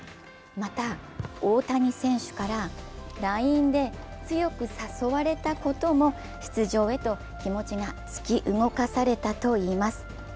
また、大谷選手からＬＩＮＥで強く誘われたことも出場への強く気持ちが突き動かされたといいます。